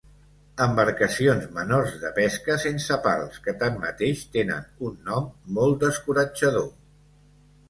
Embarcacions menors de pesca, sense pals, que tanmateix tenen un nom molt descoratjador.